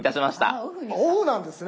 そうなんです